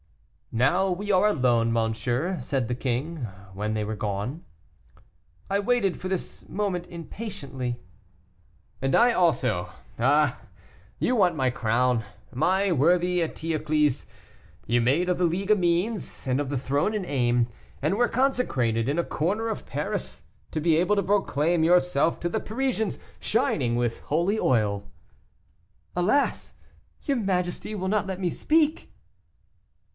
"Now we are alone, monsieur," said the king, when they were gone. "I waited for this moment impatiently." "And I also; ah, you want my crown, my worthy Eteocles; you made of the League a means, and of the throne an aim, and were consecrated in a corner of Paris, to be able to proclaim yourself to the Parisians shining with holy oil." "Alas! your majesty will not let me speak."